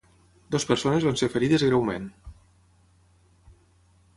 Dues persones van ser ferides greument.